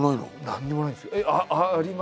何にもないんですよ。あります？